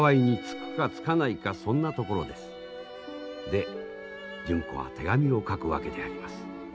で純子は手紙を書くわけであります。